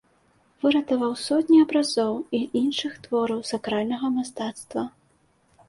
Выратаваў сотні абразоў і іншых твораў сакральнага мастацтва.